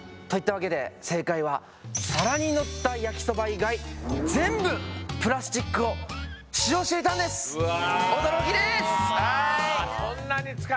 といったわけで正解は皿に乗った焼きそば以外全部プラスチックを使用していたんです。